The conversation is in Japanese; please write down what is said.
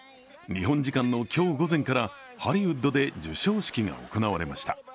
日本時間の今日午前からハリウッドで授賞式が行われました。